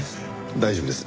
大丈夫です。